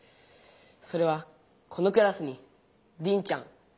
それはこのクラスにリンちゃんシュンくん